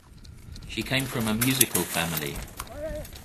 She came from a musical family.